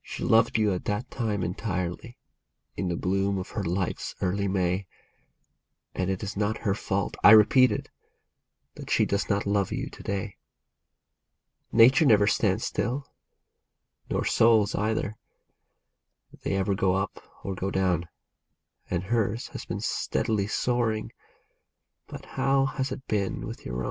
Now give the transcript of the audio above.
She loved you at that time entirely, in the bloom of her life's early May, And it is not her fault, I repeat it, that she does not love you to day. Nature never stands still, nor souls either. They ever go up or go down ; And hers has been steadily soaring, — but how has it been with your own